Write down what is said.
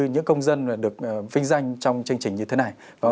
những công dân được vinh danh trong chương trình như thế này